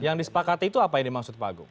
yang disepakati itu apa ini maksud pak agung